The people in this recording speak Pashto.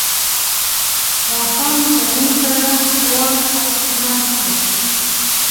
ماښام زموږ کره خوار هشت و مشت وو.